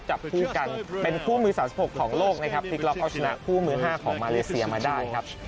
จับผู้กันเป็นคู่มือ๓๖ของโลกที่กลับเอาชนะคู่มือ๕ของมาเลเซียมาได้